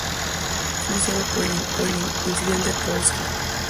Su nombre está asociado con el incidente del Hotel Polski.